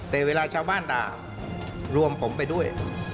แต่เวลาชาวบ้านด่ารวมผมไปด้วย